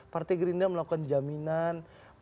partai gerinda melakukan jaminan